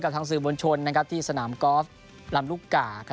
ทางสื่อมวลชนที่สนามกอล์ฟลำลูกกา